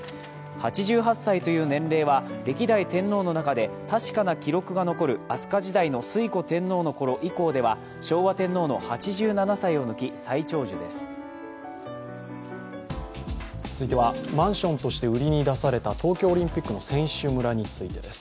８８歳という年齢は歴代天皇の中で、確かな記録が残る飛鳥時代の推古天皇のころ以降では昭和天皇の８７歳を抜き、最長寿です。